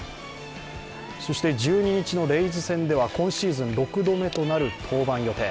そして、１２日のレイズ戦では今シーズン６度目となる登板の予定。